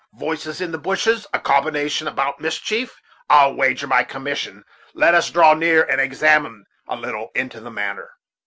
voices in the bushes a combination about mischief, I'll wager my commission. Let us draw near and examine a little into the matter."